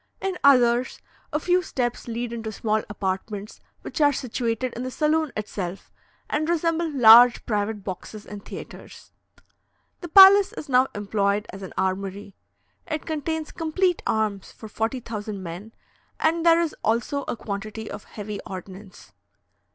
In others, a few steps lead into small apartments which are situated in the saloon itself, and resemble large private boxes in theatres. The palace is now employed as an armoury. It contains complete arms for 40,000 men, and there is also a quantity of heavy ordnance.